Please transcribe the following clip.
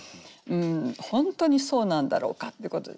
「本当にそうなんだろうか？」ってことですね。